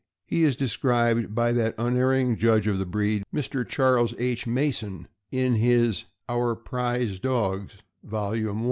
He is described by that unerring judge of the breed, Mr. Charles H. Mason, in his "Our Prize Dogs," volume 1.